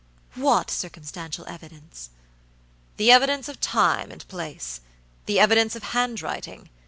"What circumstantial evidence?" "The evidence of time and place. The evidence of handwriting.